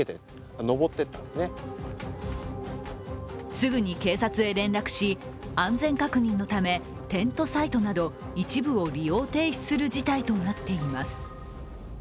すぐに警察へ連絡し安全確認のため、テントサイトなど一部を利用停止する事態となっています。